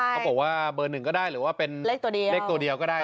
ถ้าบอกว่าเบอร์หนึ่งก็ได้หรือว่าเป็นเลขตัวเดียวก็ได้